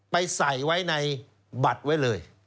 ไปใส่ไว้ในบัตรไว้เลย